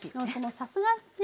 さすがね。